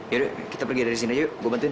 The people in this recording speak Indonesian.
yaudah kita pergi dari sini yuk gue bantuin